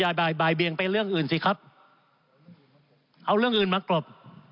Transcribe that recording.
บ่ายบ่ายเบียงไปเรื่องอื่นสิครับเอาเรื่องอื่นมากรบ